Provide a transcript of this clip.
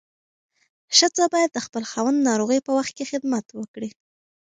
ښځه باید د خپل خاوند ناروغۍ په وخت کې خدمت وکړي.